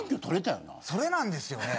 それなんですよね。